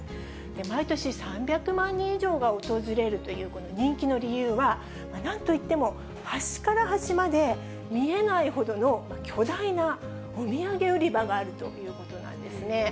毎年３００万人以上が訪れるという人気の理由は、なんといっても、端から端まで見えないほどの巨大なお土産売り場があるということなんですね。